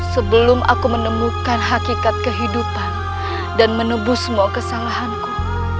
sebelum aku menemukan hakikat kehidupan dan menebus semua kesalahanku